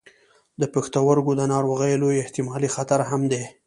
د پښتورګو د ناروغیو لوی احتمالي خطر هم دی.